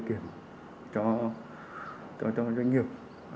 kiện cho doanh nghiệp